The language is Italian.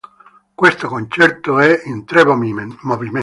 Questo concerto è in tre movimenti.